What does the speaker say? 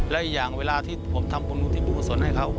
อีกอย่างเวลาที่ผมทำบุณธิบุคสนให้เขา